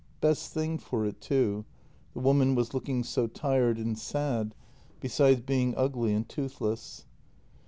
Best thing for it, too — the woman was looking so tired and sad, besides being ugly and toothless.